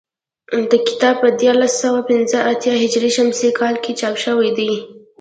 دا کتاب په دیارلس سوه پنځه اتیا هجري شمسي کال کې چاپ شوی دی